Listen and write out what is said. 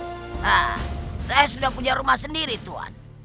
nah saya sudah punya rumah sendiri tuhan